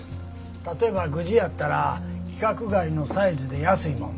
例えばグジやったら規格外のサイズで安いもん